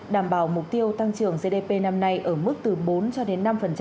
đảm bảo mục tiêu tăng trưởng gdp năm nay ở mức từ bốn cho đến năm